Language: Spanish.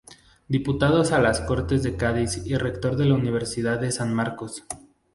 Diputado a las Cortes de Cádiz y rector de la Universidad de San Marcos.